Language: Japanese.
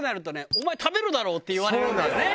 「お前食べるだろ！」って言われるんだよね。